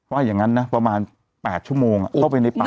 ว่าอย่างนั้นนะประมาณ๘ชั่วโมงเข้าไปในป่า